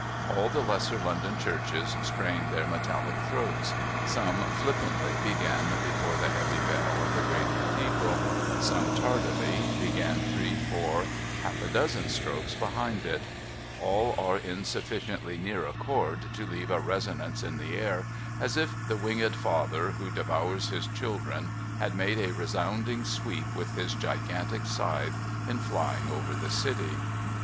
All the lesser London churches strain their metallic throats. Some, flippantly begin before the heavy bell of the great cathedral ; some, tardily begin three, four, half a dozen, strokes behind it ; all are in sufficiently near accord, to leave a resonance in the air, as if the winged father who devours his children, had made a sounding sweep with his gigantic scythe in flying over the city.